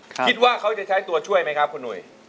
คิดว่าเขาจะใช้ตัวช่วยไหมครับคุณหนุ่ย